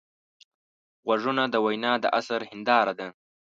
غوږونه د وینا د اثر هنداره ده